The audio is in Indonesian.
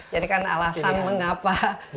jadi kan alasan mengapa